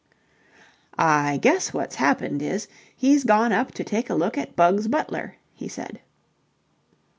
"I guess what's happened is, he's gone up to take a look at Bugs Butler," he said.